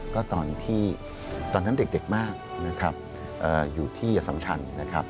ก็ตอนที่ตอนนั้นเด็กมากนะครับอยู่ที่อสัมชันนะครับ